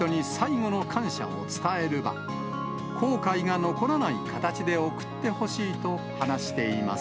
後悔が残らない形で送ってほしいと話しています。